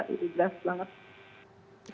itu jelas banget